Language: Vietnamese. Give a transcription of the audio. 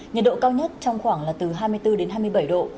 nhiệt độ cao nhất trong khoảng là từ hai mươi bốn đến hai mươi bảy độ